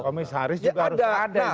komisaris juga harus ada